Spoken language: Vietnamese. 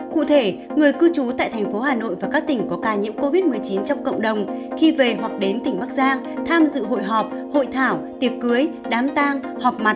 cụ thể người cư trú tại thành phố hà nội và các tỉnh có ca nhiễm covid một mươi chín trong cộng đồng khi về hoặc đến tỉnh bắc giang tham dự hội họp hội thảo tiệc cưới đám tang họp mặt